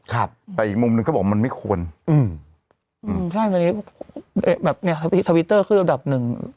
ครับแต่อีกมุมหนึ่งเขาบอกมันไม่ควรอืมอืมใช่วันนี้แบบเนี้ยทวิตเตอร์ขึ้นระดับหนึ่ง